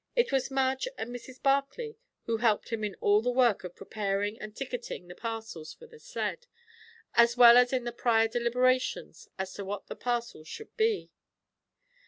It was Madge and Mrs. Barclay who helped him in all the work of preparing and ticketing the parcels for the sled; as well as in the prior deliberations as to what the parcels should be.